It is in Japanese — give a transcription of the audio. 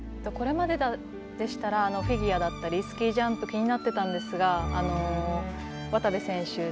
これまででしたらフィギュアだったりスキージャンプ気になっていたんですが渡部選手